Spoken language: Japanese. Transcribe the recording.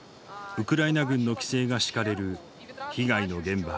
ウクライナ軍の規制が敷かれる被害の現場。